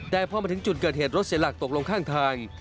แต่พอมาถึงจุดเกิดเหตุรถเสียหลักตกลงข้างทาง